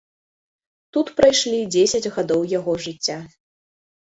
Тут прайшлі дзесяць гадоў яго жыцця.